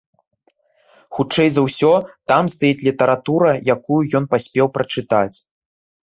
Хутчэй за ўсё, там стаіць літаратура, якую ён паспеў прачытаць!